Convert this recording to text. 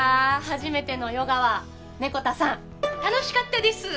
初めてのヨガは猫田さん楽しかったです